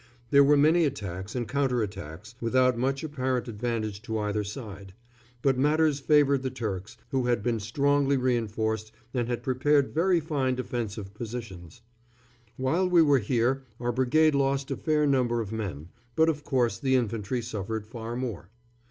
There were many attacks and counter attacks, without much apparent advantage to either side; but matters favoured the Turks, who had been strongly reinforced and had prepared very fine defensive positions. While we were here our brigade lost a fair number of men; but of course the infantry suffered far more.